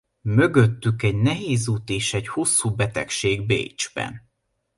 Mögöttük egy nehéz út és egy hosszú betegség Bécsben.